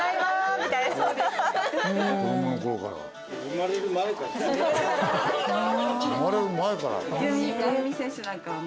生まれる前から？